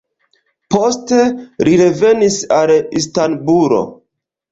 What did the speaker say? Poste li revenis al Istanbulo.